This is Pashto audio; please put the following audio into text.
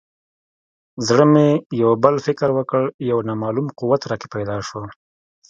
زړه مې یو بل فکر وکړ یو نامعلوم قوت راکې پیدا شو.